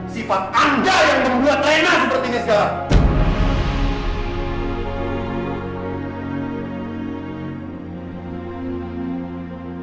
sifat anda yang berbuat rena seperti ini sekarang